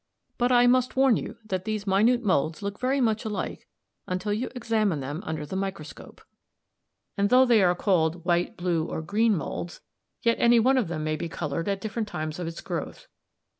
22); but I must warn you that these minute moulds look very much alike until you examine them under the microscope, and though they are called white, blue, or green moulds, yet any one of them may be coloured at different times of its growth.